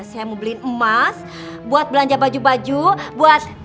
saya mau beliin emas buat belanja baju baju buat